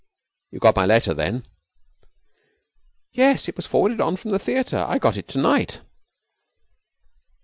'You got my letter, then?' 'Yes; it was forwarded on from the theatre. I got it to night.'